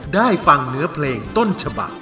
ได้ฟังเนื้อเพลงต้นฉบัก